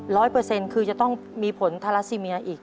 เปอร์เซ็นต์คือจะต้องมีผลทาราซิเมียอีก